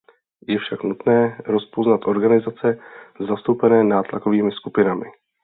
Je však nutné rozpoznat organizace zastoupené nátlakovými skupinami.